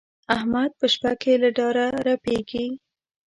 احمد په شپه کې له ډاره رپېږي.